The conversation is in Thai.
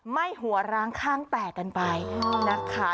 ไม่หัวร้างข้างแตกกันไปนะคะ